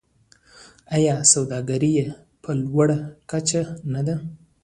آیا سوداګري یې په لوړه کچه نه ده؟